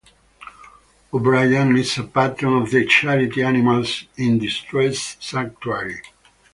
O'Brien is a patron of the charity Animals in Distress Sanctuary.